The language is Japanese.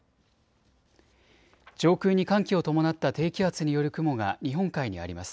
上空に寒気を伴った低気圧による雲が日本海にあります。